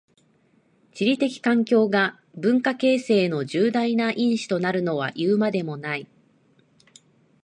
地理的環境が文化形成の重大な因子となるはいうまでもない。